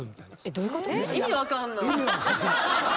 どういうこと？